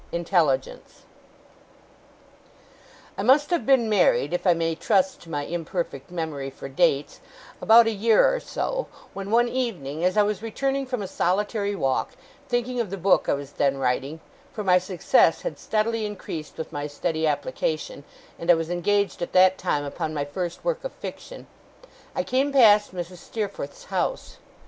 INTELLIGENCE I must have been married, if I may trust to my imperfect memory for dates, about a year or so, when one evening, as I was returning from a solitary walk, thinking of the book I was then writing for my success had steadily increased with my steady application, and I was engaged at that time upon my first work of fiction I came past Mrs. Steerforth's house.